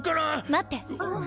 ・待って・